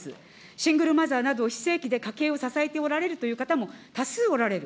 シングルマザーなど、非正規で家計を支えておられるという方も多数おられる。